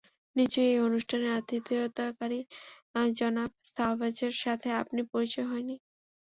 নিশ্চয়ই এই অনুষ্ঠানের আতিথেয়তাকারী জনাব সাওভ্যাজের সাথে আপনার পরিচয় হয়নি।